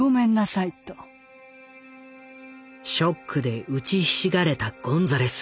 ショックで打ちひしがれたゴンザレス。